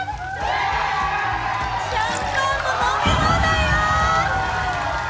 シャンパンも飲み放題よ！